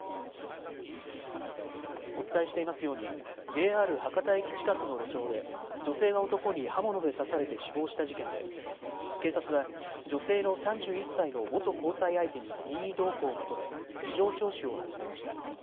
お伝えしていますようにＪＲ博多駅近くの路上で女性が男に刃物で刺されて死亡した事件で警察は女性の３１歳の元交際相手に任意同行を求め事情聴取を始めました。